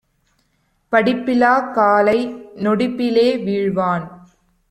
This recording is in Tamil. படிப்பிலாக் காலை நொடிப்பிலே வீழ்வான்!